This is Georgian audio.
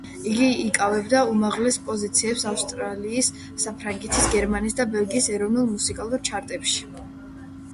იგი იკავებდა უმაღლეს პოზიციებს ავსტრალიის, საფრანგეთის, გერმანიისა და ბელგიის ეროვნულ მუსიკალურ ჩარტებში.